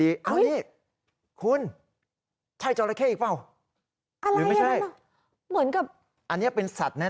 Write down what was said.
เอ้านี่คุณใช่จอราเข้อีกเปล่าหรือไม่ใช่อันนี้เป็นสัตว์แน่